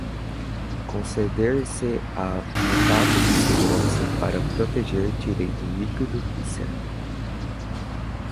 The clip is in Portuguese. conceder-se-á mandado de segurança para proteger direito líquido e certo